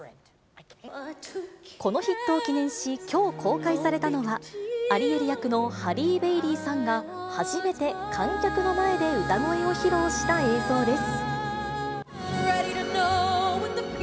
このヒットを記念し、きょう公開されたのは、アリエル役のハリー・ベイリーさんが初めて観客の前で歌声を披露した映像です。